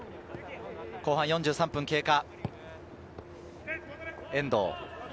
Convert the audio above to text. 後半４３分経過。